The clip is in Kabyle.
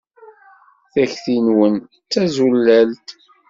Takti-nwen d tazulalt.